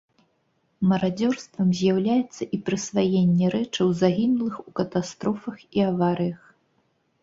Марадзёрствам з'яўляецца і прысваенне рэчаў загінулых у катастрофах і аварыях.